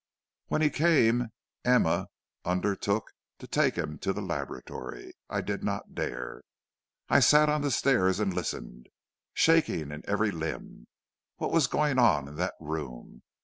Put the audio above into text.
"When he came Emma undertook to take him to the laboratory; I did not dare. I sat on the stairs and listened, shaking in every limb. What was going on in that room?